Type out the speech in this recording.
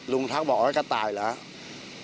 ลุงทักบอกอ๋อกระต่ายเหรอ